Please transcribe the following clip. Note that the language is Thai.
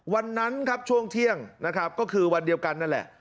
วันนั้นครับช่วงเที่ยงนะครับก็คือวันเดียวกันนั่นแหละ